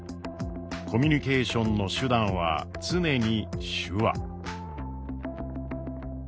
コミュニケーションの手段は常に手話。